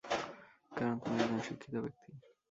কারণ, তুমি একজন শিক্ষিত ব্যক্তি?